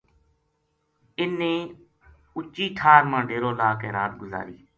اِنھ نے اُچی ٹھار ما ڈیرو لاہ کے رات گزاری